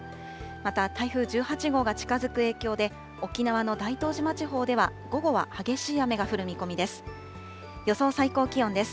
また、台風１８号が近づく影響で、沖縄の大東島地方では、午後は激しい雨が降る見込みです。